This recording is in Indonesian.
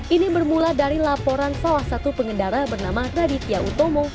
ini bermula dari laporan salah satu pengendara bernama raditya utomo